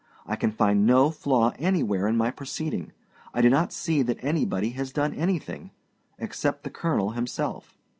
I can find no flaw anywhere in my proceeding. I do not see that anybody has done anything except the colonel himself.